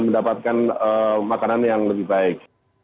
mendapatkan makanan yang lebih baik